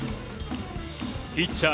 ピッチャー